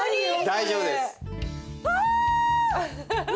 大丈夫です。